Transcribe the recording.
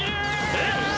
えっ！？